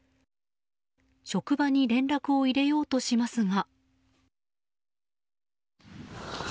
職場に連絡を入れようとしますが。